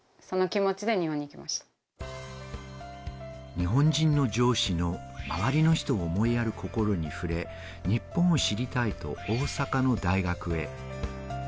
日本人の上司の周りの人を思いやる心に触れ、日本を知りたいと、大阪の大学へ。